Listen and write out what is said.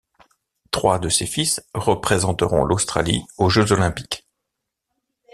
Trois de ses fils représenteront l'Australie aux Jeux Olympiques.